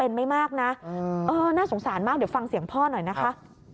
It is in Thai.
น่าสงสารมากเดี๋ยวฟังเสียงพ่อหน่อยนะคะ